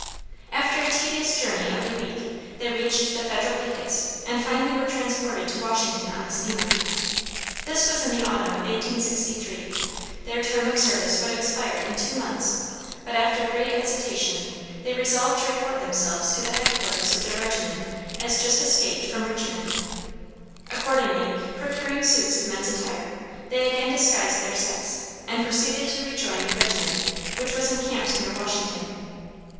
After a tedious journey of a week, they reached the Federal pickets, and finally were transported to Washington on the steamer. This was in the autumn of 1863; their term of service would expire in two months, but after great hesitation they resolved to report themselves to the headquarters of their regiment as just escaped from Richmond. Accordingly, procuring suits of men's attire, they again disguised their sex and proceeded to rejoin their regiment, which was encamped near Washington.